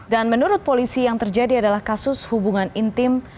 dan menurut polisi yang terjadi adalah kasus hubungan intim